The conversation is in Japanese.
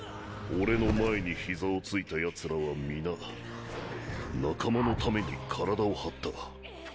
俺の前に膝をついた奴らは皆仲間のために体を張った。